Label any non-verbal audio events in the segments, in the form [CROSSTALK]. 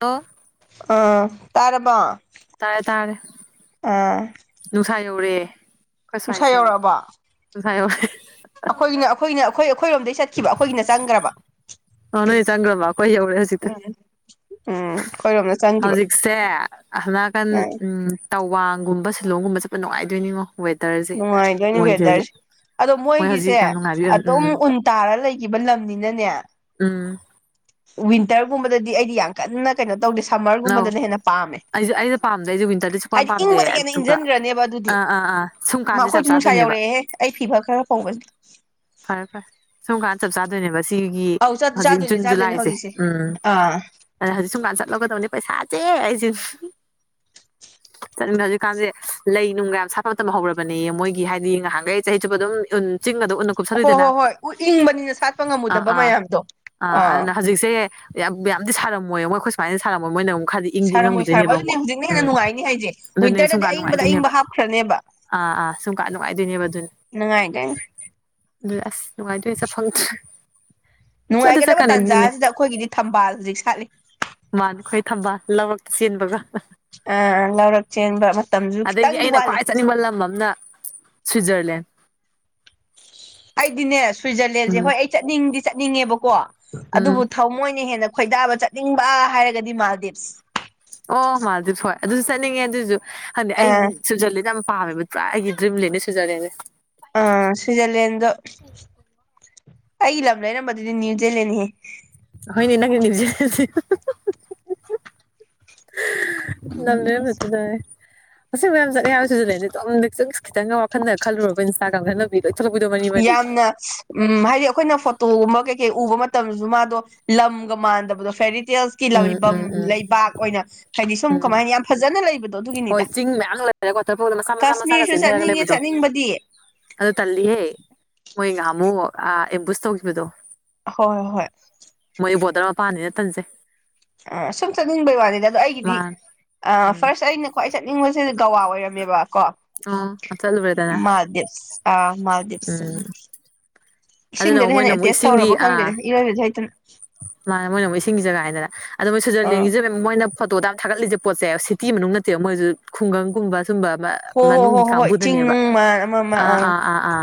ꯑꯣ ꯑꯝ ꯇꯔꯃ ꯇꯥꯔꯦ ꯇꯥꯔꯦ ꯅꯨꯡꯁꯥꯏꯅꯧꯨꯔꯦ ꯅꯨꯡꯁꯥ ꯌꯧꯔꯛꯑꯕ ꯌꯧꯔꯦ ꯑꯩꯈꯣꯏꯒꯤꯅ ꯑꯩꯈꯣꯏꯅ ꯑꯩꯈꯣꯏ ꯑꯩꯈꯣꯏꯔꯣꯝꯗꯩ ꯆꯠꯈꯤꯕ ꯑꯩꯈꯣꯏꯒꯤꯅ ꯆꯪꯈ꯭ꯔꯕ ꯑ ꯅ ꯆꯥꯡꯒ꯭ꯔꯕꯥ ꯀ ꯌꯥꯎꯔꯦ ꯍꯧꯁꯤꯇꯥ ꯎꯝ ꯑꯩꯈꯣꯏꯔꯣꯝꯗ ꯆꯪꯈꯤꯕ ꯍꯧꯖꯤꯛꯁꯦ ꯑꯗꯨꯅꯥꯀꯟ ꯑꯥ ꯎꯝ ꯇꯧ ꯋꯥꯡꯒꯨꯝꯕ ꯁꯤꯂꯣꯡꯒꯨꯝꯕ ꯆꯠꯄ ꯅꯨꯡꯉꯥꯏꯗꯣꯏꯅꯤꯉꯣ ꯋꯦꯗꯔꯁꯦ ꯅꯨꯡꯉꯥꯏꯗꯅꯤ ꯃꯣꯏꯁꯦ ꯍꯧꯖꯤꯛ ꯐꯦꯗꯔꯖ ꯑꯗꯣ ꯃꯣꯏ ꯃꯣꯏꯒꯤꯁꯦ ꯍꯧꯖꯤꯛ ꯌꯥꯝ ꯅꯨꯡꯉꯥꯏꯕꯤ ꯑꯣꯏꯔꯝ ꯑꯗꯨꯝ ꯎꯝ ꯎꯟ ꯇꯥꯔ ꯂꯩꯈꯤꯕ ꯂꯝꯅꯤꯅꯅꯦ ꯎꯝ ꯋꯤꯟꯇꯔꯒꯨꯝꯕꯗꯗꯤ ꯑꯩꯗꯤ ꯌꯥꯝ ꯀꯟꯅ ꯀꯩꯅꯣ ꯇꯧꯗꯦ ꯅꯧ ꯁꯝꯃꯔꯒꯨꯝꯕꯗꯅ ꯍꯦꯟꯅ ꯄꯥꯝꯃꯦ ꯑꯩꯁꯨ ꯑꯩꯁꯨ ꯄꯥꯝꯗꯦ ꯑꯩꯁꯨ ꯋꯤꯟꯇꯔꯗꯤ ꯁꯨꯛꯄꯥꯝ ꯍꯥꯏꯗꯤ ꯄꯥꯝꯗꯦ ꯏꯪꯕꯗ ꯍꯦꯟꯅ ꯑꯗꯨꯒ ꯏꯪꯁꯤꯟꯈ꯭ꯔꯅꯦꯕ ꯑꯗꯨꯗꯤ ꯑꯥ ꯑꯥ ꯑꯥ ꯁꯨꯝ ꯀꯥꯟꯁꯦ ꯆꯞ ꯑꯩꯈꯣꯏꯁꯨ ꯅꯨꯡꯁꯥ ꯆꯥꯗꯣꯏꯅꯦꯕ ꯌꯧꯔꯛꯑꯦꯍꯦ ꯑꯩ ꯐꯤꯕ ꯈꯔ ꯐꯧꯕꯁꯤ ꯐꯔꯦ ꯐꯔꯦ ꯁꯨꯝ ꯀꯥꯟꯅ ꯆꯞ ꯆꯥꯗꯣꯏꯅꯦꯕ ꯑꯁꯤꯒꯤ ꯑꯧ ꯍꯧꯖꯤꯛ ꯆꯥꯗꯣꯏꯅꯦ ꯖꯨꯟ ꯆꯥꯗꯣꯏꯅꯦ ꯖꯨꯂꯥꯏꯁꯦ ꯍꯧꯖꯤꯛꯁꯦ ꯎꯝ ꯑꯥ ꯑꯗ ꯍꯧꯖꯤꯛ ꯁꯨꯝꯀꯥꯟꯗ ꯆꯠꯂꯒꯗꯧꯅꯤ ꯄꯩꯁꯥ ꯆꯦ ꯍꯥꯏꯁꯤ ꯆꯠꯅꯤꯡꯅ ꯍꯧꯖꯤꯛꯀꯥꯟꯁꯦ ꯂꯩ ꯅꯨꯡꯒ ꯌꯥꯝ ꯁꯥꯠꯄ ꯃꯇꯝ ꯍꯧꯔꯕꯅꯦ ꯃꯣꯏꯒꯤ ꯍꯥꯏꯗꯤ ꯉꯍꯥꯟꯈꯩ ꯆꯍꯤ ꯆꯨꯞꯄ ꯑꯗꯨꯝ ꯎ ꯆꯤꯡꯒ ꯑꯗꯨꯝ ꯎ ꯍꯣꯏ ꯀꯨꯞꯁꯔꯨꯏꯗꯅ ꯍꯣꯏ ꯍꯣꯏ ꯏꯪꯕꯅꯤꯅ ꯁꯥꯠꯄ ꯑꯥ ꯉꯝꯃꯨꯗꯕ ꯑꯥ ꯃꯌꯥꯝꯗꯣ ꯑꯥ ꯑꯗꯨꯅ ꯍꯧꯖꯤꯛꯁꯦ ꯌꯥꯝ ꯌꯥꯝꯅꯗꯤ ꯁꯥꯔꯝꯃꯣꯏ ꯃꯣꯏꯈꯣꯏ ꯁꯃꯥꯏꯅ ꯁꯥꯔꯝꯃꯣꯏ ꯃꯣꯏꯅꯨꯛ ꯈꯔꯗꯤ ꯏꯪꯗꯤ ꯁꯥꯔꯝꯃꯣꯏ ꯁꯥꯔꯝꯃꯣꯏ ꯉꯝꯈꯤꯗꯣꯏꯅꯦꯕ ꯑꯗꯨꯅꯦ ꯑꯃꯨꯛ ꯍꯧꯖꯤꯛꯅ ꯍꯦꯟꯅ ꯎꯝ ꯅꯨꯡꯉꯥꯏꯅꯤ ꯍꯥꯏꯁꯦ ꯑꯗꯨꯅꯦ ꯋꯤꯟꯇꯔꯗꯗꯤ ꯁꯨꯝꯀ ꯑꯌꯤꯡꯕꯗ ꯑꯌꯤꯡꯕ ꯅꯨꯡꯉꯥꯏꯗꯣꯏꯅꯦꯕ ꯍꯥꯞꯈ꯭ꯔꯅꯦꯕ ꯑꯥ ꯑꯥ ꯁꯨꯡꯀ ꯅꯨꯡꯉꯥꯏꯗꯣꯏꯅꯦꯕ ꯑꯗꯨꯅꯤ ꯅꯨꯡꯉꯥꯏꯗꯣꯏꯅꯤ ꯂꯥꯁ ꯅꯅꯨꯡꯉꯥꯏꯖ ꯆꯐꯣꯡ ꯀ ꯅꯨꯡꯉꯥꯏꯒꯗꯕ ꯇꯥꯟꯖꯥꯁꯤꯗ ꯑꯩꯈꯣꯏꯒꯤꯗꯤ ꯊꯝꯕꯥꯜ ꯍꯧꯖꯤꯛ ꯁꯥꯠꯂꯤ ꯃꯥꯅ ꯈꯣꯏ ꯊꯝꯕ ꯂꯧꯔꯛꯇ ꯆꯦꯟꯕꯒ ꯑ ꯂꯧꯔꯛ ꯆꯦꯟꯕ ꯃꯇꯝꯁꯨ ꯑꯗꯒꯤ ꯈꯤꯇꯪꯗꯤ ꯑꯩꯅ ꯋꯥꯠꯂꯤ ꯈ꯭ꯋꯥꯏ ꯆꯠꯅꯤꯡꯕ ꯂꯝ ꯑꯃꯅ ꯁ꯭ꯋꯤꯠꯖꯔꯂꯦꯟ ꯑꯩꯗꯤꯅꯦ ꯁ꯭ꯋꯤꯖꯔꯂꯦꯟꯁꯦ ꯎꯝ ꯍꯣꯏ ꯑꯩ ꯆꯠꯅꯤꯡꯗꯤ ꯆꯠꯅꯤꯡꯉꯦꯕꯀꯣ ꯎꯝ ꯑꯗꯨꯕꯨ ꯊꯃꯣꯏꯅ ꯍꯦꯟꯅ ꯈꯣꯏꯗꯥꯕ ꯆꯠꯅꯤꯡꯕ ꯍꯥꯏꯔꯒꯗꯤ ꯃꯥꯜꯗꯤꯞꯁ ꯑꯣ ꯃꯥꯜꯗꯤꯞ ꯍꯣꯏ ꯑꯗꯨꯁꯨ ꯆꯠꯅꯤꯡꯉꯦ ꯑꯗꯨꯁꯨ ꯍꯗꯤ ꯑꯩ ꯑꯥ ꯁ꯭ꯋꯤꯖꯔꯂꯦꯟꯗ ꯌꯥꯝ ꯄꯥꯝꯃꯦꯕ ꯄꯨꯔꯥ ꯑꯩꯒꯤ ꯗ꯭ꯔꯤꯝ ꯂꯩꯅꯦ ꯁ꯭ꯋꯤꯖꯔꯂꯦꯟꯁꯦ ꯑꯥ ꯁ꯭ꯋꯖꯔꯂꯗ ꯑꯩꯒꯤ ꯂꯝ ꯂꯩꯔꯝꯕꯗꯨꯗꯤ ꯅ꯭ꯌꯨ ꯂꯦꯟꯅꯤ ꯍꯣꯏꯅꯦ ꯅ ꯅꯤꯡꯖꯦ ꯂꯝ ꯂꯩꯕꯗꯨꯗꯔꯦ ꯑꯁꯤ ꯃꯌꯥꯝ ꯆꯠꯂ ꯍꯥꯏꯕꯁꯤꯁꯨ ꯂꯩꯗꯤ ꯑꯗꯨꯝꯛꯆꯨꯝꯁ ꯈꯤꯇꯪꯒ ꯋꯥꯈꯜꯗ ꯈꯜꯂꯨꯔꯕ ꯏꯟꯁꯇꯥꯒ꯭ꯔꯥꯝ ꯈꯟꯅꯅꯕꯤ ꯌꯥꯝꯅ ꯎꯝ ꯍꯥꯏꯗꯤ ꯑꯩꯈꯣꯏꯅ ꯐꯣꯇꯣꯒꯨꯝꯕ ꯀꯩ ꯀꯩ ꯎꯕ ꯃꯇꯝ ꯃꯇꯝꯗꯨꯁꯨ ꯃꯥꯗꯣ ꯂꯝꯒ ꯃꯥꯟꯗꯕꯗꯣ ꯐꯦꯔꯤ ꯎꯝ ꯍꯇꯦꯜꯁꯀꯤꯐꯝ ꯎꯝ ꯎꯝ ꯂꯩꯕꯥꯛ ꯑꯣꯏꯅ ꯍꯥꯏꯗꯤ ꯁꯨꯝ ꯎꯝ ꯀꯃꯥꯏꯅ ꯌꯥꯝ ꯐꯖꯅ ꯂꯩꯕ ꯍꯣꯏ ꯆꯤꯡ ꯃꯌꯥꯝ ꯂꯩꯔꯒ ꯀꯊꯔꯄ ꯃꯆꯥ ꯃꯆꯥ ꯃꯆꯥꯒ ꯀꯥꯁꯃꯤꯔꯁꯨ ꯆꯤꯟꯊꯔꯒ ꯆꯠꯅꯤꯡꯉꯦ ꯂꯩꯕꯗꯣ ꯆꯠꯅꯤꯡꯕꯗꯤ ꯑ ꯇꯜꯂꯤꯍꯦ ꯃꯣꯏ ꯉꯍꯥꯃꯨ ꯑꯦꯝꯕꯨꯁ ꯇꯧꯈꯤꯕꯗꯣ ꯍꯣꯏ ꯍꯣꯏ ꯑꯩ ꯕꯣꯗꯔ ꯃꯄꯥꯟꯅꯤꯅꯠꯇꯟꯁꯦ ꯑ ꯁꯨꯝ ꯆꯠꯅꯤꯡꯕꯩ ꯋꯥꯅꯤꯗ ꯑꯗꯣ ꯑꯩꯒꯤꯗꯤ ꯃꯥꯅꯦ ꯑ ꯎꯝ ꯐꯥꯔꯁ ꯑꯩꯅ ꯈ꯭ꯋꯥꯏ ꯆꯠꯅꯤꯡꯕꯁꯤꯗ ꯒꯋꯥ ꯑꯣꯏꯔꯝꯃꯦꯕ ꯀꯣ ꯑꯣ ꯆꯠꯂꯨꯔꯦꯗꯅ ꯃꯥꯜꯗꯤꯞꯁ ꯃꯥꯜꯗꯤꯞꯂ ꯎꯝ ꯑꯗꯨꯅ ꯏꯁꯤꯡꯗꯨꯅ ꯍꯦꯟꯅ ꯃꯣꯏꯅ ꯑꯦꯇꯦꯁ ꯇꯧꯔꯕ ꯈꯪꯗꯦꯅꯦ ꯏꯔꯣꯏꯕꯗꯤ ꯍꯩꯇꯅ ꯃꯥ ꯃꯣꯏꯅ ꯑꯃꯨꯛ ꯏꯁꯤꯡꯒꯤ ꯖꯒꯥ ꯍꯥꯏꯗꯅ ꯑꯗ ꯃꯣꯏ ꯑꯥ ꯁ꯭ꯋꯤꯖꯔꯂꯦꯟꯒꯤꯁꯨ ꯃꯣꯏꯅ ꯐꯣꯇꯣꯗ ꯌꯥꯝ ꯊꯥꯒꯠꯂꯤꯁꯦ ꯄꯣꯠꯁꯦ ꯁꯤꯇꯤ ꯃꯅꯨꯡ ꯅꯠꯇꯦꯕ ꯃꯣꯏꯁꯨ ꯈꯨꯡꯒꯪꯒꯨꯝꯕ ꯑꯗꯨꯨꯝꯕ ꯍꯣ ꯍꯣ ꯍꯣ ꯃꯅꯨꯡꯒꯤ ꯍꯣ ꯍꯣꯏ ꯆꯤꯡ ꯀꯥꯡꯕꯨꯗꯅꯦꯕ ꯅꯨꯡ ꯃꯥꯟ ꯑꯃ ꯑꯃ ꯑꯥ ꯑꯥ ꯑꯥ ꯑꯥ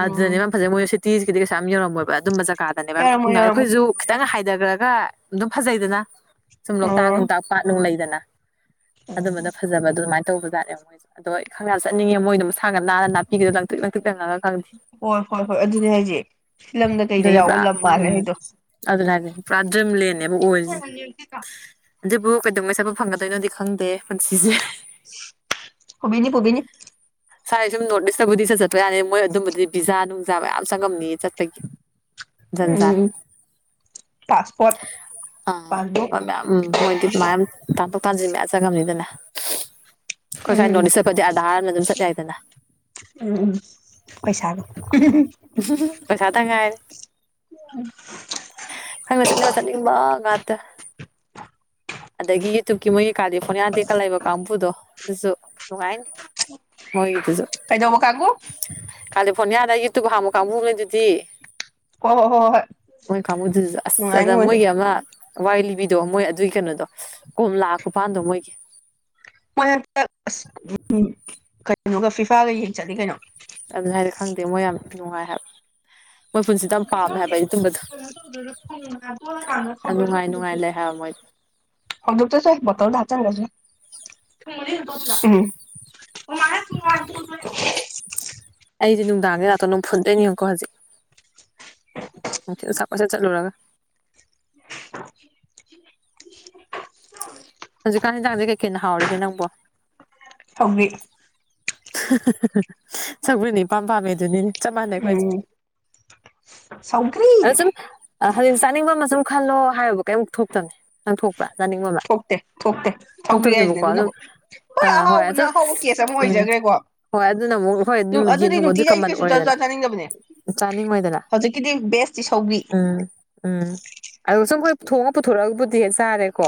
ꯎꯝ ꯑꯗꯨꯗꯅꯦ ꯌꯥꯝ ꯐꯖꯩ ꯃꯣꯏ ꯁꯤꯇꯤꯁꯤꯀꯤꯗꯤ ꯀꯩꯁꯨ ꯌꯥꯝ ꯌꯧꯝꯃꯕ ꯑꯗꯨꯝꯕ ꯖꯒꯥꯗꯅꯦꯕ ꯌꯥꯎꯔꯝꯃꯣꯏ ꯌꯥꯝꯉꯥꯏ ꯌꯥꯎꯔꯝꯃꯣꯏ ꯑꯩꯈꯣꯏꯁꯨ ꯈꯤꯇꯪ ꯍꯥꯏꯊꯈ꯭ꯔꯒ ꯑꯗꯨꯝ ꯐꯖꯩꯗꯅ ꯁꯨꯝ ꯂꯣꯛꯇꯥꯛ ꯑꯣ ꯅꯨꯡꯇꯥꯛ ꯄꯥꯠ ꯅꯨꯡ ꯂꯩꯗꯅ ꯑꯗꯨꯝꯕꯗ ꯐꯖꯕ ꯑꯗꯨꯃꯥꯏꯅ ꯇꯧꯕꯖꯥꯠꯦ ꯃꯣꯏꯁ ꯑꯗꯣꯈꯪ ꯌꯥꯝ ꯆꯠꯅꯤꯡꯉꯦ ꯃꯣꯏꯣ ꯃꯁꯥꯒ ꯅꯥꯟꯅ ꯅꯥꯄꯤꯒꯤꯗ ꯂꯪꯤꯛ ꯂꯪꯇꯛꯪꯉꯒ ꯍꯣꯏ ꯍꯣꯏ ꯍꯣꯏ ꯑꯗꯨꯅꯦ ꯍꯥꯏꯁꯦ ꯐꯤꯂꯝꯗ ꯀꯩꯗ ꯌꯥꯎꯕ ꯂꯝ ꯃꯥꯜꯂꯦ ꯍꯥꯏꯗꯣ ꯦ꯭ꯔꯥꯗꯝ ꯂꯦꯟꯅꯦꯕ ꯑꯣꯏꯔꯤꯁꯦ ꯕꯨ ꯀꯩꯗꯧꯉꯩ ꯁꯠꯄ ꯐꯪꯒꯗꯣꯏꯅꯣꯗꯤ ꯈꯪꯗꯦ ꯄꯨꯟꯁꯤꯁꯦ ꯄꯨꯕꯤꯅꯤ ꯄꯨꯕꯤꯅꯤ ꯁꯔꯦꯁ ꯅꯣꯇꯤꯁꯇꯕꯨ ꯆꯠꯄ ꯌꯥꯅꯤ ꯃꯣꯏ ꯑꯗꯨꯝꯕꯗꯤ ꯕꯤꯖꯥ ꯅꯨꯡꯖꯥ ꯃꯌꯥꯝ ꯆꯪꯉꯝꯅꯤꯌꯦ ꯆꯠꯄꯒꯤ ꯖꯟꯖꯥꯠ ꯎꯝ ꯄꯥꯁꯄꯠ ꯑ ꯃ ꯎ ꯃꯣꯏꯗꯤ ꯃꯌꯥꯝ ꯇꯥ ꯀꯥꯟ ꯃꯖ ꯅꯤꯗꯅ ꯑꯩꯣꯏ ꯁ꯭ꯋꯥꯥꯏ ꯎꯝ ꯅꯣꯇ ꯆꯠꯄꯁꯦ ꯑꯙꯥꯔꯅ ꯑꯗꯨꯝ ꯆꯠ ꯌꯥꯏꯗꯅ ꯎꯝ ꯎꯝ ꯄꯩꯁꯥꯗ ꯄꯩꯁꯥꯇ ꯎ ꯈꯁ ꯃꯁꯅꯤꯕ ꯉꯠꯇ ꯑꯗꯒꯤ ꯌꯨꯇꯨꯕꯀꯤ ꯃꯣꯏꯒꯤ ꯀꯥꯔꯂꯤꯐꯣꯅꯤꯌꯥ ꯇꯦꯛꯀꯠꯂꯕ ꯀꯥꯡꯕꯨꯗꯣ ꯑꯗꯨꯁꯨ ꯅꯨꯡꯉꯥꯏꯅꯤ [INAUDIBLE] [INAUDIBLE] ꯃꯣꯏꯒꯤꯗꯨꯁꯨ ꯀꯩꯗꯧꯕ ꯀꯥꯡꯕꯨ ꯀꯥꯂ ꯐꯣꯟ ꯌꯥꯗ ꯌꯇꯨ ꯍꯥꯡꯃꯨ ꯀꯥꯡꯕꯨꯅꯦ ꯑꯗꯨꯗꯤ ꯑꯣ ꯍꯣ ꯍꯣ ꯍ ꯍꯣꯏ ꯃꯣꯏ ꯀꯥꯡꯃꯕꯨꯗꯨꯁꯨ ꯑꯁ ꯅꯨꯡꯉꯥꯏꯅꯤ ꯑ ꯃꯣꯏꯁꯨ ꯃꯣꯏꯒꯤ ꯑꯃ ꯋꯥꯏ ꯂꯤꯕꯤ ꯗꯣ ꯃꯣꯏ ꯑꯗꯨꯒꯤ ꯀꯩꯅꯣꯗꯣ ꯀꯣꯝ ꯂꯥꯛꯄꯄꯥꯟꯗꯣ ꯃꯣꯏꯒꯤ ꯃꯣꯏ ꯍꯟꯗꯛ ꯑꯁ ꯎ ꯀꯩꯅꯩꯅꯣꯒ ꯐꯤꯐꯥꯒ ꯌꯦꯡ ꯆꯠꯂꯤ ꯀꯩꯅꯣ ꯑꯗꯨ ꯍꯥꯏꯗꯤ ꯈꯪꯗꯦ ꯃꯣꯏ ꯌꯥꯝ ꯅꯨꯡꯉꯥꯏ ꯍꯥꯏꯕ ꯃꯣꯏ ꯄꯨꯟꯁꯤꯗ ꯌꯥꯝ ꯄꯥꯝꯃꯦ ꯍꯥꯏꯕ ꯑꯩꯗꯤ ꯑꯗꯨꯝꯕꯗꯣ ꯐ ꯀꯅ ꯌꯥꯝ ꯅꯨꯡꯉꯥꯏ ꯅꯨꯡꯉꯥꯏ ꯈꯕꯔꯗ ꯂꯩ ꯍꯥꯏꯕ ꯃꯣꯏꯗꯤ ꯍꯧꯗꯞ ꯇꯁ ꯠꯇꯔ ꯍꯥ ꯆꯒꯁꯦ ꯎꯝ ꯑꯩꯗꯤ ꯅꯨꯡꯗꯥꯡꯒꯤ ꯂꯥꯛꯇꯣ ꯅꯅꯨꯡ ꯐꯨꯟꯗꯅꯤ ꯀꯣ ꯍꯧꯖꯤꯛꯠ ꯑꯁꯞ ꯄꯁ ꯆꯠꯂꯨꯔꯒ [UNINTELLIGIBLE] ꯍꯧꯖꯤꯛꯀꯥꯟ ꯍꯖꯥꯡꯁꯦ ꯀꯩꯀꯅ ꯍꯥꯎꯔꯤꯒꯦ ꯅꯪꯕꯨꯣ ꯁꯧꯒ꯭ꯔꯤ ꯁꯪꯒꯔꯤꯅꯤ ꯏꯄꯥꯝ ꯄꯥꯝꯃꯦ ꯑꯗꯨꯅꯤ ꯆꯞ ꯃꯥꯟꯅꯩ ꯑꯩꯈꯣꯏꯁꯨꯦ ꯎꯝ ꯁꯧꯒ꯭ꯔꯤ ꯑꯗꯣ ꯁꯨꯝ ꯍꯖꯤꯛ ꯆꯥꯅꯤꯡꯕ ꯑꯃ ꯁꯨꯝ ꯈꯜꯂꯣ ꯍꯥꯏꯕꯨ ꯀꯩꯃꯨꯛ ꯊꯣꯛꯇꯕꯅꯤ ꯊꯣꯛꯇꯦ ꯊꯣꯛꯇꯦ ꯊꯧꯒ꯭ ꯍꯥꯏꯁꯤꯅꯦ ꯊꯣꯛꯇꯕꯅꯦꯕꯀꯣ ꯑꯗꯨꯝ ꯑꯗꯨꯅꯕꯨ ꯍꯈꯣꯏ ꯑꯥ ꯍꯣꯏ ꯑꯍꯥꯎꯕꯅ ꯑꯗꯨꯝ ꯑꯍꯥꯎꯕ ꯀꯦꯁ ꯑꯃ ꯎꯝ ꯑꯣꯏꯖꯈ꯭ꯔꯦꯀꯣ ꯍꯣꯏ ꯑꯗꯨꯅ ꯑꯃꯨꯛ ꯍꯣꯏ ꯑꯗꯨꯝ ꯌꯦꯟ ꯑꯗꯨꯗꯤ ꯊꯣꯡꯕꯗꯨ ꯅꯨꯡꯇꯤꯒꯤ ꯑꯩꯗꯤ ꯀꯃꯟ ꯀꯩꯁꯨ ꯆꯥ ꯑꯣꯏꯔꯦꯗꯅ ꯆꯥ ꯆꯥꯅꯤꯡꯗꯕꯅꯦ ꯆꯥꯅꯤꯡꯉꯣꯏꯗꯅ ꯍꯧꯖꯤꯛꯀꯤꯗꯤ ꯕꯦꯁꯇꯤ ꯁꯧꯒ꯭ꯔꯤ ꯎꯝ ꯎꯝ ꯑ ꯁꯨꯝ ꯍꯣꯏ ꯊꯣꯡꯉꯒ ꯄꯨꯊꯣꯔꯛꯑꯒ ꯑꯗꯨ ꯍꯦꯛ ꯆꯥꯔꯦꯀꯣ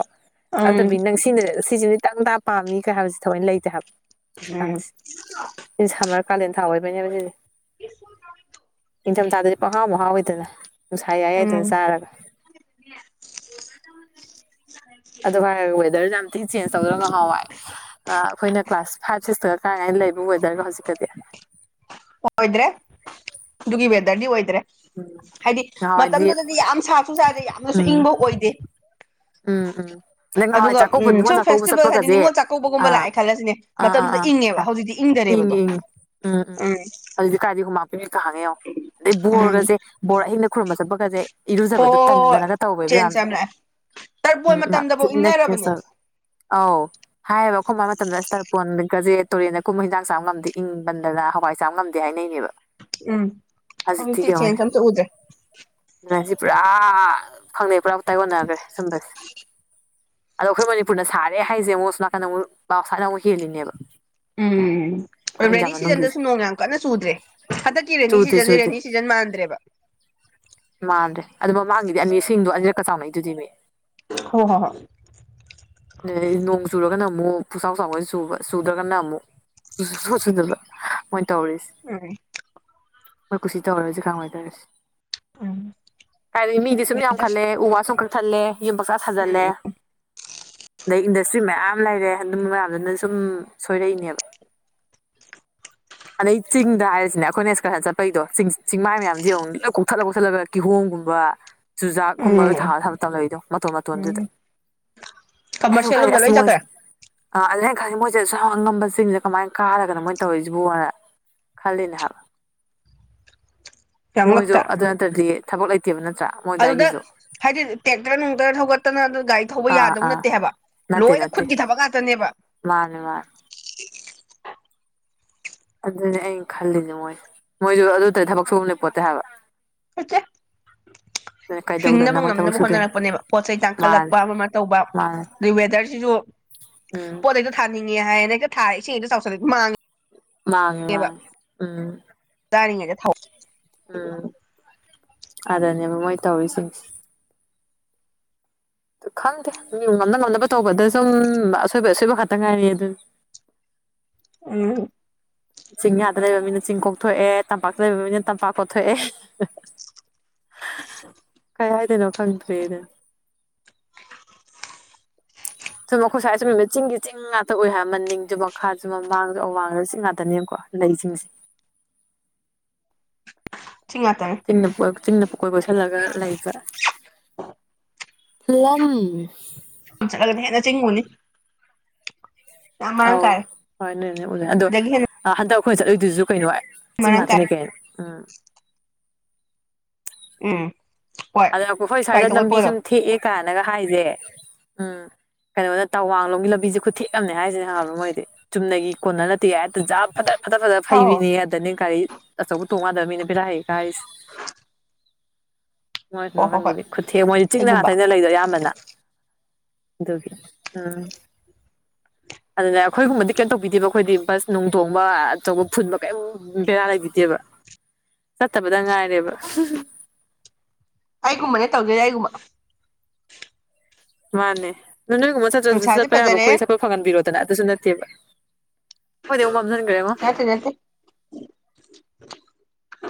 ꯑꯗꯨꯗꯤ ꯎꯝ ꯅꯪ ꯁꯤꯅ ꯁꯤꯁꯤꯗꯤ ꯇꯪꯇꯥ ꯄꯥꯝꯃꯤ ꯀꯩ ꯍꯥꯏꯕꯁꯤ ꯊꯑꯣꯏꯅ ꯂꯩꯇꯦ ꯍꯥꯏꯕ ꯎꯝ ꯍꯧꯀꯥꯟꯁꯤ ꯏ ꯁꯃꯔ ꯀꯥꯂꯦꯟ ꯊꯥꯎꯑꯣ ꯑꯣꯏꯕꯅꯦꯕꯗꯤ ꯅꯤꯡꯊꯝꯊꯥꯗꯗꯤ ꯄꯈꯥ ꯃꯍꯥꯎ ꯑꯣꯏꯗꯅ ꯅꯨꯡꯁꯥꯏ ꯌꯥꯑ ꯎꯝ ꯑꯗꯨꯗꯅ ꯆꯥꯔꯒ ꯑꯗꯨ ꯐ ꯋꯦꯗꯔꯁ ꯌꯥꯝ ꯊꯤ ꯆꯦꯟꯖ ꯇꯧꯗꯔꯒ ꯃꯍꯍꯥꯎꯏ ꯑꯩꯈꯣꯏꯅ ꯀ꯭ꯂꯥꯁ ꯐꯥꯏꯚ ꯁꯤꯛꯁꯇꯒ ꯀꯥꯏ ꯀꯥꯏꯅ ꯂꯩꯕ ꯋꯦꯗꯔꯒ ꯍꯧꯖꯤꯛꯀ [INAUDIBLE] ꯑꯣꯏꯗ꯭ꯔꯦ ꯑꯗꯨꯒꯤ ꯋꯦꯗꯔꯗꯤ ꯑꯣꯏꯗ꯭ꯔꯦ ꯎꯝ ꯍꯥꯏꯗꯤ ꯅꯍꯥꯟꯋꯥꯏꯗꯤ ꯃꯇꯝꯗꯨꯗꯗꯤ ꯌꯥꯝ ꯁꯥꯁꯨ ꯁꯥꯗꯦ ꯌꯥꯝ ꯑꯗꯨꯁꯨ ꯎꯝ ꯏꯪꯕ ꯑꯣꯏꯗꯦ [INAUDIBLE] ꯅꯪ ꯅꯍꯥꯟꯋꯥꯏ ꯑꯗꯨꯒ ꯆꯥꯛꯀꯧꯕ ꯎ ꯅꯤꯉꯣꯜ ꯁꯨꯝ ꯆꯥꯛꯀꯧꯕ ꯐꯦꯁꯇꯤꯚꯦꯜ ꯍꯥꯏꯗꯤ ꯆꯠꯄꯒꯁꯦ ꯅꯤꯡꯉꯣꯜ ꯆꯥꯛꯀꯧꯕꯒꯨꯝꯕ ꯑꯥ ꯂꯥꯛꯑꯦ ꯈꯜꯂꯁꯤꯅꯦ ꯑꯥ ꯃꯇꯝꯗꯨꯗ ꯏꯪ ꯕ ꯍꯧꯖꯤꯛꯇꯤ ꯏꯪꯗꯔꯦꯕꯗꯣ ꯑ ꯎꯝ ꯎꯝ ꯍꯧꯖꯤꯛꯇꯤ ꯀꯥꯏꯗꯤ ꯍꯨꯃꯥꯛꯄꯤꯀ ꯍꯥꯡꯉ ꯌꯦꯉꯣ ꯑꯗꯩ ꯎꯝ ꯕꯣꯔꯒꯁꯦ ꯕꯣꯔ ꯑꯍꯤꯡꯗ ꯈꯨꯔꯨꯝꯕ ꯆꯠꯄꯒꯁꯦ ꯍꯣꯏ ꯏꯔꯨꯖꯕꯗꯨ ꯍꯣꯏ ꯇꯟꯗꯅꯒ ꯇꯧꯋꯦꯕ ꯆꯦꯟꯖ ꯌꯥꯝꯅ ꯌꯥꯝ ꯂꯥꯛꯑꯦ ꯇꯔꯕꯣꯏ ꯎꯝ ꯌꯥꯝ ꯃꯇꯝꯗꯐꯥꯎ ꯊꯤꯅ ꯏꯪꯅꯔꯕꯅꯦ ꯑꯧ ꯍꯥꯏꯕ ꯈꯣꯕ ꯃꯇꯝꯗ ꯀꯣꯟꯒꯖꯦ ꯇꯨꯔꯦꯟꯗ ꯀꯨꯝꯕ ꯍꯤꯟꯖꯥꯡ ꯆꯥꯕ ꯉꯝꯗꯦ ꯏꯪꯕꯟꯗꯅ ꯍꯋꯥꯏ ꯆꯥꯕ ꯉꯝꯗꯦ ꯍꯥꯏꯅꯩꯅꯦꯕ ꯎꯝ ꯑꯁ ꯏꯊꯤ ꯍꯧꯖꯤꯛꯇꯤ ꯀ ꯆꯦꯟꯖ ꯑꯝꯇ ꯎꯗ꯭ꯔꯦ ꯑꯒꯦꯅꯁꯤ ꯄꯨꯔꯥ ꯐꯪꯅꯩ ꯄꯨꯔꯥꯇꯥꯏ ꯑꯣꯣꯟꯅꯈ꯭ꯔꯦ ꯁꯨꯝꯕꯁꯦ ꯑꯗꯣ ꯑꯩꯈꯣꯏ ꯃꯅꯤꯄꯨꯔꯅ ꯁꯥꯔꯦ ꯍꯥꯏꯁꯦ ꯃꯣꯏ ꯁ ꯅꯥꯀꯟꯗ ꯑꯃꯨꯛ ꯕꯥꯎꯁꯥꯠꯅ ꯑꯃꯨꯛ ꯍꯦꯜꯂꯤꯅꯦꯕ ꯑꯩꯈꯣꯏ ꯎꯝ ꯏꯟꯗꯤꯌꯥ ꯔꯦꯅꯤ ꯃꯅꯨꯡꯒꯤꯁꯦ ꯁꯤꯖꯟꯗꯁꯨ ꯅꯣꯡ ꯌꯥꯝ ꯀꯟꯅ ꯆꯨꯗ꯭ꯔꯦ ꯍꯟꯗꯛꯀꯤ ꯔꯦꯅꯤ ꯆꯨꯗꯦ ꯁꯤꯖꯟꯁꯦ ꯆꯨꯗꯦ ꯔꯦꯅꯤ ꯁꯤꯖꯟ ꯃꯥꯟꯗ꯭ꯔꯕ [INAUDIBLE] ꯃꯥꯟꯗ꯭ꯔꯦ ꯑꯗꯨ ꯃꯃꯥꯡꯒꯤꯗꯤ ꯑꯅꯤꯁꯤꯡꯗꯣ ꯑꯅꯤꯔꯛꯀ ꯆꯥꯎꯅꯩ ꯑꯗꯨꯗꯤꯅꯦ ꯍ ꯍꯣ ꯍ ꯅ ꯅꯣꯡ ꯆꯨꯔꯣꯒꯅ ꯑꯃꯨꯛ ꯄꯨꯆꯥꯎ ꯆꯥꯎꯥꯎꯣꯏ ꯁꯨꯕ ꯁꯨꯗ꯭ꯔꯒꯅ ꯑꯃꯨꯛꯨꯗꯕ ꯎ ꯃꯣꯏ ꯀꯨꯁꯤ ꯇꯧꯔꯁꯤ ꯀꯟꯅꯥ ꯅꯨꯉꯥꯏꯗꫭꯏꯅꫭ ꯎꯝ ꯀꯥꯏꯗꯩ ꯃꯤꯗꯤ ꯁꯨꯝ ꯌꯥꯝ ꯈꯜꯂꯦ ꯎꯝ ꯎ ꯋꯥ ꯁꯨꯝ ꯊꯜꯂꯦ ꯌꯨꯝ ꯄꯪꯁꯥ ꯁꯥꯖꯟꯂꯦ ꯑꯗꯩ ꯏꯟꯗꯁꯇ꯭ꯔꯤ ꯃꯌꯥꯝ ꯂꯩꯔꯦ ꯑꯗꯨꯝ ꯃꯌꯥꯝꯗꯨꯅ ꯁꯨꯝ ꯁꯣꯏꯔꯛꯏꯅꯦꯕ [INAUDIBLE] ꯑꯗꯩ ꯆꯤꯡꯗ ꯍꯥꯏꯔꯤꯁꯤꯅꯦ ꯑꯩꯈꯣꯏꯅ ꯑꯦꯛꯁꯀꯔꯁꯟ ꯆꯠꯄꯒꯤꯗꯣ ꯆꯤꯡ ꯆꯤꯡꯃꯥꯏ ꯃꯌꯥꯝꯁꯤ ꯌ‌ꯦꯡꯉꯨ ꯀꯣꯛꯊꯠꯂ [UNINTELLIGIBLE] ꯀꯧꯊꯠꯂ ꯀꯤꯍꯣꯡꯒꯨꯝ ꯎꯝ ꯆꯨꯖꯥꯛꯀꯨꯝ ꯎꯝ ꯊ ꯊ ꯇ ꯂꯩꯗꯣ ꯃꯇꯣꯟ ꯃꯇꯣꯟꯗꯨꯗ ꯎꯝ ꯀꯃꯔꯁꯤꯌꯦꯜ ꯂꯣꯝꯗ ꯈꯁ ꯂꯣꯏ ꯃꯣ ꯆꯠꯈ꯭ꯔꯦ ꯃꯣꯏꯁꯦ ꯑꯁ ꯑꯉꯝꯕꯁꯤꯡꯁꯦ ꯀꯃꯥꯏꯅ ꯀꯥꯔꯒꯅ ꯃꯣꯏꯅ ꯇꯧꯔꯔꯤꯏꯁꯤꯕꯣꯅ ꯈꯜꯂꯤꯅꯦ ꯍꯥꯏ ꯌꯥꯝ ꯃꯣꯏꯁꯨ ꯉꯛꯇ꯭ꯔꯥ ꯑꯗꯨ ꯅꯠꯇ꯭ꯔꯗꯤ ꯊꯕꯛ ꯂꯩꯇꯦꯕ ꯅꯠꯇ ꯑꯗꯨꯗ ꯍꯥꯏꯗꯤ ꯇꯦꯛꯇꯔ ꯅꯨꯡꯇꯔ ꯊꯧꯒꯠꯇꯅ ꯑꯗꯨ ꯒꯥꯔꯤ ꯊꯧꯕ ꯑꯥ ꯌꯥꯗꯧ ꯑꯥ ꯅꯠꯇ ꯠꯇꯦ ꯍꯥꯏꯕ ꯅꯠꯇꯦ ꯂꯣꯏꯅ ꯅꯠꯇꯦ ꯈꯨꯠꯀꯤ ꯊꯕꯛ ꯉꯥꯛꯇꯅꯦꯕ ꯃꯥꯅꯦ ꯃꯥꯅꯦ ꯑꯗꯨꯅꯦ ꯑꯩꯅ ꯈꯜꯂꯤꯅꯦ ꯃꯣꯏ ꯃꯣꯏꯁꯨ ꯑꯗꯨ ꯇꯩ ꯊꯕꯛ ꯁꯨꯕꯅꯦ ꯄꯣꯠꯇꯦ ꯍꯥꯏꯕ ꯀꯆ ꯑꯗꯨꯅ ꯀꯩꯗꯧꯗꯅ ꯍꯤꯡꯅꯕ ꯃꯣꯏ ꯊꯕꯛ ꯉꯝꯅꯕ ꯁꯨꯗꯣꯏꯅꯣ ꯍꯣꯠꯅꯔꯛꯄꯅꯦꯕ ꯄꯣꯠ ꯆꯩ ꯃꯥꯅꯦ ꯇꯥꯡꯈꯠꯂꯛꯄ ꯑꯃ ꯇꯧꯕ ꯃꯥꯅꯦ ꯑꯗꯩ ꯋꯦꯗꯔꯁꯤꯁꯨ ꯎꯝ ꯄꯣꯠꯩꯛꯇꯣ ꯊꯥꯅꯤꯡꯉꯦ ꯍꯥꯏꯅ ꯍꯦꯛꯇ ꯊꯥꯏ ꯏꯁꯤꯡꯛꯇꯣ ꯆꯥꯎꯁꯜꯂ ꯃꯥꯡꯉꯦ ꯃ ꯎꯝ ꯆꯥꯔꯤꯉꯩꯗ ꯊꯥꯎ ꯑꯗꯨꯗꯅꯦꯕ ꯃꯣꯏ ꯇꯧꯔꯤꯁꯤꯡꯁꯦ ꯑ ꯈꯪꯗꯦ ꯃꯤ ꯉꯝꯅ ꯉꯝꯅꯕ ꯇꯧꯕꯗ ꯁꯨꯝ ꯑꯁꯣꯏꯕ ꯑꯁꯣꯏꯕ ꯈꯛꯇ ꯉꯥꯏꯔꯤ ꯑꯗꯨ [INAUDIBLE] ꯎꯝ ꯆꯤꯡꯌꯥꯥꯗ ꯂꯩꯕ ꯃꯤꯅ ꯆꯤꯡ ꯀꯣꯛꯊꯣꯛꯑꯦ ꯇꯝꯄꯥꯛꯇ ꯂꯩꯕ ꯃꯤꯅ ꯇꯝꯄꯥꯛ ꯀꯣꯊꯣꯛꯑꯦ ꯀꯥꯏ ꯍꯥꯏꯗꯅꯣ ꯈꯪꯇ꯭ꯔꯔꯤꯗ ꯁꯨꯝ ꯑꯩꯣꯏꯁꯥꯏ ꯁꯨꯝ ꯆꯤꯡꯒꯤ ꯆꯤꯡ ꯉꯥꯛꯇ ꯑꯣꯏꯏ ꯍꯥꯏꯔ ꯃꯅꯤꯡꯁꯨ ꯃꯈꯥꯁꯨ ꯃꯃꯥꯡꯁꯨ ꯑꯋꯥꯡꯗꯁꯨ ꯉꯥꯛꯇꯅꯦꯕꯀꯣ ꯂꯩꯁꯤꯡꯁꯦ ꯁꯤ ꯉꯥꯛꯇꯅꯦ ꯆꯤꯡꯅ ꯄꯨꯀꯣꯏ ꯀꯣꯏꯁꯤꯜꯂꯒ ꯂꯩꯕꯝ [UNINTELLIGIBLE] ꯆꯠꯂꯒꯅ ꯍꯦꯟꯅ ꯆꯤꯡꯉꯨꯅꯤ ꯌꯥꯝ ꯃꯔꯥꯡ ꯑꯧ ꯀꯥꯏꯔꯦ ꯍꯣꯏ ꯅꯣꯏꯅꯦ ꯎꯖꯅꯦ [UNINTELLIGIBLE] ꯑꯗꯣ ꯁꯤꯗꯒꯤ ꯍꯦꯟꯅ ꯍꯟꯗꯛ ꯑꯩꯈꯣꯏ ꯆꯠꯂꯣꯏꯗꯨꯁꯨ ꯀꯩꯅꯣ ꯍꯥꯏ ꯆꯤꯡ ꯃꯔꯥꯡ ꯀꯥꯏꯔꯦ ꯉꯥꯊꯅꯤ ꯀꯩꯅ‌ꫭ ꯎꯝ ꯎꯝ ꯍꯣꯏ ꯑꯗꯨꯗ ꯑꯩꯈꯣꯏ ꯁ꯭ꯋꯥꯏꯗ ꯒꯥꯔꯤ ꯂꯝꯕꯤ ꯊꯧꯒꯠꯄꯒꯗꯣ ꯁꯨꯝ ꯊꯦꯛꯑꯦ ꯀꯥꯏꯅꯒ ꯍꯥꯏꯁꯦ ꯎꯝ ꯀꯩꯅꯣꯅ ꯇꯋꯥꯡꯂꯣꯝꯒꯤ ꯂꯝꯕꯤꯁꯦ ꯈꯨꯠꯊꯦꯛ ꯑꯃꯅꯦ ꯍꯥꯏꯁꯤꯅꯦ ꯈꯪꯑꯕ ꯃꯣꯏꯗꯤ ꯆꯨꯝꯅꯒꯤ ꯀꯣꯟꯅꯔ ꯅꯠꯇꯦ ꯌ‌ꯦ ꯍ‌ꯦꯠꯇ ꯖꯠ ꯐꯠꯇꯟ ꯐꯗꯠ ꯐꯗꯠ ꯑꯧ ꯐꯩꯕꯤꯅꯦꯌ‌ꯦ ꯑꯗꯅ‌ꯦ ꯒꯥꯔꯤ ꯑꯆꯧꯕ ꯇꯣꯡꯌꯥꯗꯕ ꯃꯤꯅ ꯕ‌ꯦꯔꯥ ꯍ‌ꯦꯛ ꯍ‌ꯦꯛ ꯀꯔꯤꯁ‌ꯦ ꯍꯣꯏ ꯀꯃꯥꯏꯇꯩꯅ‌ꫭ ꯍꯣꯏ ꯍꯣꯏ ꯈꯪꯗ‌ꯦꯃꯤ ꯈꯨꯠꯊꯦꯛ ꯃꯣꯏꯗꯤ ꯆꯤꯡꯗ ꯉꯥ ꯑꯩꯒꯨꯝꯕ ꯇꯅꯤ ꯂꯩꯖ‌ꯦ ꯑꯌꯥꯝꯕꯅ ꯎꯝ [UNINTELLIGIBLE] ꯑꯩꯈꯣꯏꯒꯨꯝꯕꯗꯤ ꯀ‌ꯦꯝ ꯇꯧꯕꯤꯗ‌ꯦꯗꫭ ꯑꯩꯈꯣꯏꯗꯤ ꯕꯥꯁ ꯅꯨꯡꯊꯣꯡꯕ ꯑꯆꯧꯕ ꯐꯨꯟꯕ ꯀꯩꯝ ꯕꯦꯔꯥ ꯂꯩꯕꯤꯗꯦꯕ ꯆꯠꯇꯕꯗ ꯉꯥꯏꯔ ꯕ꯭ꯔ [UNINTELLIGIBLE] ꯑꯩꯒꯨꯝꯕꯅꯦ ꯇꯧꯗꫭꯏꯖ‌ꯦ ꯑꯩꯒꯨꯝꯕ ꯃꯥꯟꯅꯦ ꯑꯗ‌ꫭ ꯅꯣꯏꯒꯨꯝꯕ ꯆꯠꯇꯔꯁꯨ ꯅꯨꯡꯁꯥꯁꯦ ꯆꯠꯄ ꯌꯥꯕ ꯐꯖꯔꯦ ꯑꯈꯣꯏ ꯆꯠꯄ ꯐꯪꯍꯟꯕꯤꯌꯨꯗꯅ ꯑꯗꯨꯁꯨ ꯅꯠꯇꯦꯕ ꯍꯣꯏꯗꯃ [UNINTELLIGIBLE] ꯅꯠꯇ‌ꯦ ꯅꯠꯇ‌ꯦ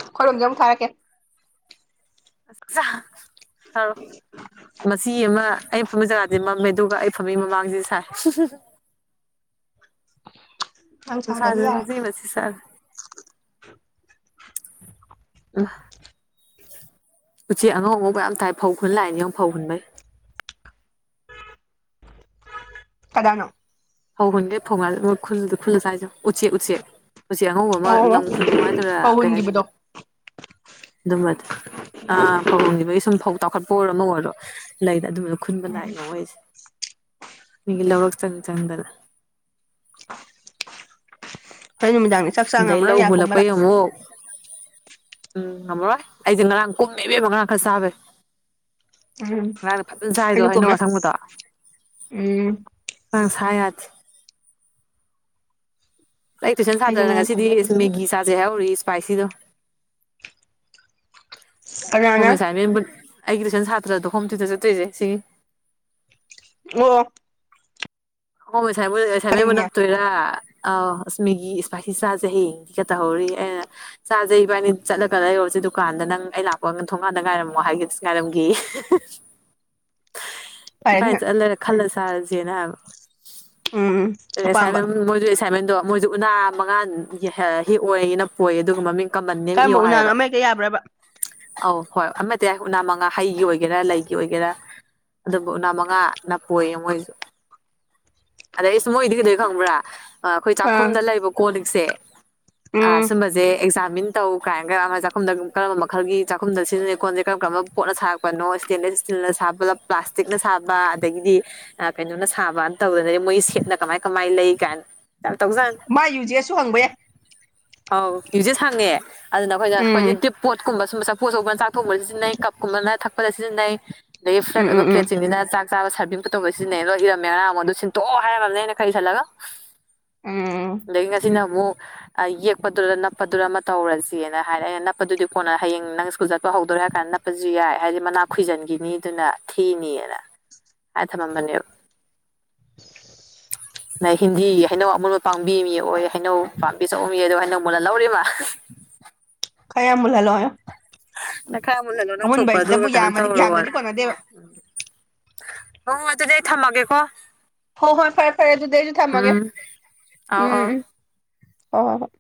ꯑꯈꫭꯏꯔꫭꯝꯒꯤ ꯑꯃꯨꯛ ꯊꯥꯔꯛꯀ‌ꯦ ꯍ [UNINTELLIGIBLE] ꯃꯆꯤ ꯑꯃ ꯑꯩꯅ ꯐꯝꯕ ꯖꯒꯥꯗꯨꯗꯤ ꯃꯝꯃꯦ ꯑꯗꯨꯒ ꯑꯩ ꯐꯝꯃꯤ ꯃꯃꯥꯡꯁꯤꯗꯤ ꯁꯥꯏ [INAUDIBLE] ꯅꯪ ꯁꯥꯟꯅꯗꯤ ꯅꯨꯡꯁꯥꯁꯤꯖꯨ ꯌꯥꯔꯔꯣꯏ ꯃꯆꯤ ꯃꯆꯤ ꯁꯥꯏ ꯑꯥ ꯎꯆꯦꯛ ꯑꯉꯧꯕ ꯌꯥꯝ ꯇꯥꯏ ꯐꯧ ꯈꯨꯨꯟ ꯂꯥꯛꯏꯅꯤ ꯌ‌ꯦꯡꯉꫭ ꯐꯧ ꯍꯨꯟꯕꯩ ꯀꯥꯟꯅꯅꫭ ꯍ ꯍꯨꯟꯕꯩ ꯐꯧꯒꯥꯁꯦ ꯈꯨꯜꯂꯥ ꯈꯨꯜ ꯆꯥꯏꯁꯦ ꯎꯆꯦꯛ ꯎꯆꯦꯛ [UNINTELLIGIBLE] ꯎꯆ‌ꯦꯛ ꯑꯉꯧꯕ ꯑꯃ ꯑꯣ ꯂꯝ ꯈꯨꯟꯅꯨ ꯍꯥꯏꯗꯣꯏꯔꯥ ꯐꯧ ꯀꯩ ꯍꯥꯏꯗꯣꯏꯅꯣ ꯍꯨꯟꯈꯤꯕꯗꯣ ꯑꯗꯨꯝꯕꯗꫭ ꯑꯥ ꯐꯧꯍꯨꯟꯒꯕꯒꯤ ꯁꯨꯝ ꯐꯧ ꯊꯥꯎꯈꯠꯄ ꯑꯣꯏꯔꫭ ꯑꯃ ꯑꯣꯏꯔꯣ ꯂꯩꯗ ꯑꯗꯨꯝꯕ ꯈꯨꯨꯟꯕ ꯂꯥꯛꯏꯅꯦ ꯃꯣꯏꯁꯦ ꯃꯤꯒꯤ ꯂꯧꯔꯛ ꯆꯪ ꯆꯪꯗꯅ ꯍꯣꯔꯦꯟ ꯅꯨꯃꯤꯗꯥꯡꯗꯤ ꯆꯥꯛ ꯆꯥ ꯑꯗꯩ ꯂꯧ ꯉꯝꯃꯔꯣꯏ ꯌꯥ ꯀꯨꯝꯕꯗ ꯍꯨꯂꯛꯄꯩ ꯑꯃꯨꯛ ꯎꯝ ꯉꯝꯃꯣꯏ ꯑꯩꯁꯦ ꯉꯔꯥꯡ ꯀꯨꯝꯅꯤꯕꯕ ꯉꯔꯥꯡ ꯈꯔ ꯆꯥꯕꯩ ꯎꯝ ꯉꯔꯥꯡꯅ ꯐꯖꯅ ꯆꯥꯏꯗꯣ ꯑꯩꯁꯨ ꯍꯩꯅꯧ ꯀꯨꯝꯃꯦ ꯑꯁꯪꯕꯗꯣ ꯑꯥ ꯎꯝ ꯁꯥꯏꯌꯗ‌ꯦ ꯑꯩ ꯇꯨꯏꯁꯟ ꯑꯩꯁꯨ ꯁꯥꯇ꯭ꯔꯅ ꯉꯔꯥꯡ ꯉꯁꯤꯗꯤ ꯀꯨꯝꯃꯦ ꯐꯖꯅ ꯃꯦꯒꯤ ꯆꯥꯁꯦ ꯍꯥꯏꯍꯧꯔꯤ ꯏꯁꯄꯥꯏꯁꯤꯗꯣ ꯍꯣꯝ ꯀꯅꯥꯅ ꯑꯦꯁꯥꯏꯃꯦꯟꯕꯨ ꯑꯩꯒꯤ ꯇꯨꯏꯁꯟ ꯁꯥꯇ꯭ꯔꯗꯣ ꯍꯣꯝ ꯇꯨꯏꯇꯔ ꯆꯠꯇꯣꯏꯅ‌ꯦ ꯁꯤꯒꯤ ꯑꯣ ꯍꯣꯝ ꯑꯦꯁꯥꯏꯃꯦꯟꯕꯨ ꯀꯔꯤꯅꯦ ꯅꯞꯇꯣꯏꯔꯥ ꯑ ꯑꯁ ꯃꯦꯒꯤ ꯏꯁꯄꯥꯏꯁꯤ ꯆꯥꯁꯦ ꯍꯌꯦꯡꯗꯤꯒ ꯇꯧꯍꯧꯔꯤ ꯑꯩꯅ ꯆꯥꯖꯦ ꯏꯕꯥꯅꯤ ꯆꯠꯂꯒ ꯂꯩꯔꯨꯔꯁꯤ ꯗꯨꯀꯥꯟꯗ ꯅꯪ ꯑꯩ ꯂꯥꯛꯄ ꯊꯣꯡꯒꯥꯟꯗ ꯉꯥꯏꯔꯝꯃꯣ ꯍꯥꯏꯒꯦ ꯑꯁ ꯉꯥꯏꯔꯝꯒ‌ꯦꯌ‌ꯦ ꯏꯝꯐꯥꯟ ꯄꯥꯏꯔꯦꯟꯅ ꯆꯠꯂ ꯈꯜꯂ ꯆꯥꯔꯁꯦꯅ ꯍꯥꯏꯕ ꯎꯝ ꯑꯄꯥꯝꯕ ꯑꯦꯁꯥꯏꯟꯃꯦꯟ ꯃꯣꯏꯁꯨ ꯑꯦꯁꯥꯏꯟꯃꯦꯟꯗꯣ ꯃꯣꯏꯁꯨ ꯎꯅꯥ ꯃꯉꯥ ꯍꯦꯛ ꯑꯣꯌꯦ ꯅꯞꯄꯣꯌꯦ ꯑꯗꯨꯒ ꯃꯃꯤꯡ ꯀꯃꯟ ꯅꯦꯝ ꯏꯌꯣ ꯀꯔꯝꯕ ꯎꯅꯥꯅꯣ ꯍꯥꯏꯌꯦꯕ ꯑꯃ ꯍꯦꯛꯇ ꯌꯥꯕ꯭ꯔꯕ ꯑꯧ ꯍꯣꯏ ꯑꯃ ꯇ‌ꯦ ꯎꯅꯥ ꯃꯉꯥ ꯍꯩꯒꯤ ꯑꯣꯏꯒꯦꯔꯥ ꯂꯩꯒꯤ ꯑꯣꯏꯒꯦꯔꯥ ꯑꯗꯨꯕꯨ ꯎꯅꯥ ꯃꯪꯉꯥ ꯅꯞꯄꯣꯌꯦ ꯃꯣꯏꯁꯨ ꯑꯗꯩ ꯑꯁ ꯃꯣꯏꯗꯤ ꯀꯩꯗꯧ ꯈꯪꯕ꯭ꯔꯥ ꯑꯩꯈꯣꯏ ꯑꯥ ꯆꯥꯛꯈꯨꯝꯗ ꯂꯩꯕ ꯀꯣꯟꯂꯤꯛꯁꯦ ꯑ ꯎꯝ ꯁꯨꯝꯕꯁꯦ ꯑꯦꯛ ꯃꯤꯟ ꯇꯧ ꯀꯥꯏꯅꯒ ꯀꯔꯝ ꯆꯥꯛꯈꯨꯝꯗ ꯀꯔꯝꯕ ꯃꯈꯜꯒꯤ ꯆꯥꯛꯨꯝꯗ ꯁꯤꯖꯤꯟꯅꯩꯣꯟꯗꯦ ꯀꯔ ꯀꯔꯝꯕ ꯄꯣꯠꯅ ꯁꯥꯔꯛꯄꯅꯣ ꯏꯁꯤ ꯄ꯭ꯂꯥꯁꯇꯤꯛꯅ ꯁꯥꯕ ꯑꯗꯒꯤꯗꯤ ꯀꯩꯅꯣꯅ ꯊꯥꯕꯅ ꯇꯧꯗꯅꯗꯤ ꯃꯣꯏ ꯁꯦꯠꯅ ꯀꯃꯥꯏ ꯀꯃꯥꯏꯅ ꯂꯩ ꯀꯥꯏꯅ ꯌꯥꯝ ꯇꯧꯖꯥꯠꯅꯤ ꯃꯥ ꯌꯨꯖꯦꯁꯨ ꯍꯪꯕ ꯌꯥꯏ ꯑꯧ ꯌꯨꯁꯦꯁ ꯍꯪꯉꯦ ꯑꯗꯨꯅ ꯑꯩꯈꯣꯏꯗ ꯎꯝ ꯑꯩꯈꯣꯏꯄꯣꯠ ꯀꯨꯝꯕ ꯁꯨꯝ ꯃꯆꯥꯐꯣ ꯑꯆꯧꯕ ꯃꯆꯥꯛ ꯊꯛꯄꯗ ꯁꯤꯖꯤꯟꯅꯩ ꯀꯞꯀꯨꯝꯕꯅ ꯊꯛꯄꯗ ꯁꯤꯖꯤꯟꯅꯩ ꯑꯗꯒꯤ ꯐ꯭ꯂꯦꯠ ꯎꯝ ꯎꯝ ꯑꯣꯏꯕ ꯎꯝ ꯄ꯭ꯂꯦꯠꯁꯤꯡꯁꯤꯅ ꯆꯥꯛ ꯆꯥꯕ ꯁꯥꯔꯕꯤꯤꯡ ꯇꯧꯕ ꯁꯤꯖꯤꯟꯅꯩ ꯃꯦꯔꯥ ꯑꯃ ꯑꯗꯨ ꯁꯤꯟꯇꯣꯛꯑꯣ ꯍꯥꯏꯔꯝꯃꯕꯅꯦ ꯑꯩꯅ ꯈꯔ ꯏꯁꯜꯂꯒ ꯎꯝ ꯑꯗꯒꯤ ꯉꯁꯤꯅ ꯑꯃꯨꯛ ꯌꯦꯛꯄꯗꯨꯔ ꯅꯞꯄꯗꯨꯔ ꯑꯃ ꯇꯧꯔꯁꯤꯦꯅ ꯍꯥꯏꯔꯦ ꯑꯩꯅ ꯅꯞꯄꯗꯨꯗꯤ ꯀꯣꯟꯅ ꯍꯌꯦꯡ ꯅꯪ ꯁ꯭ꯀꯨꯜ ꯆꯠꯄ ꯍꯧꯗꯣꯏ ꯀ ꯍꯥꯏꯔ ꯀꯥꯟꯗ ꯅꯞꯄꯁꯨ ꯌꯥꯏ ꯍꯥꯏꯗꯤ ꯃꯅꯥꯛ ꯈꯣꯏꯏꯖꯟꯒꯤꯅꯤ ꯑꯗꯨꯅ ꯊꯤꯅꯤꯑꯅ ꯍꯥꯏ ꯊꯃꯝꯕꯅꯤ ꯅ ꯍꯤꯟꯗꯤꯒꯤ ꯍꯩꯅꯧ ꯑꯃꯨꯟꯕ ꯄꯥꯝꯕꯤ ꯑꯃ ꯌꯦꯛꯑꯣꯌꯦ ꯍꯩꯅꯧ ꯄꯥꯝꯕꯤ ꯆꯧꯕ ꯃꯤ ꯑꯗꯣ ꯍꯩꯅꯧ ꯃꯨꯟꯅ ꯂꯧꯔꯤꯃ [UNINTELLIGIBLE] ꯈꯥ ꯌꯥꯝ ꯃꯨꯟꯍꯟꯂꯣ ꯍꯥꯏꯌꯣ ꯅꯪ ꯈꯔ ꯃꯨꯜꯍꯜꯂꯣ ꯅꯪ ꯑꯃꯨꯟꯕ ꯊꯣꯛꯄ ꯑꯗꯨꯒ ꯍꯥꯏꯁꯤꯗꯕꯨ ꯀꯩꯅꯣ ꯌꯥꯝꯃꯗꯤ ꯌꯥꯝꯗ꯭ꯔꯗꯤ ꯇꯧꯍꯔꯣꯅ ꯀꯣꯟꯅꯗꯦꯕ ꯍꯣ ꯑꯗꯨꯗꯤ ꯑꯩ ꯊꯝꯃꯒꯦꯀꯣ ꯍꯣꯏ ꯍꯣꯏ ꯐꯔꯦ ꯐꯔꯦ ꯑꯗꯨꯗꯤ ꯑꯩꯁꯨ ꯊꯝꯃꯒꯦ ꯎꯝ ꯑꯧ ꯑꯧ ꯎꯝ ꯍꯣꯏ ꯍꯣꯏ ꯍꯣꯏ